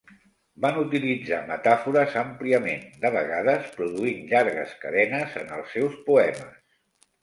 Van utilitzar metàfores àmpliament, de vegades produint llargues cadenes en els seus poemes.